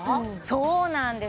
そうなんです